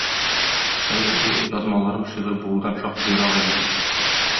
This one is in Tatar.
Хәер, ул язмаларым шигырь булудан шактый ерак иде.